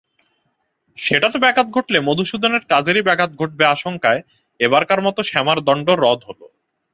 সেটাতে ব্যাঘাত ঘটলে মধুসূদনের কাজেরই ব্যাঘাত ঘটবে আশঙ্কায় এবারকার মতো শ্যমার দণ্ড রদ হল।